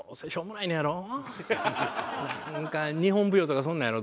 なんか日本舞踊とかそんなんやろ？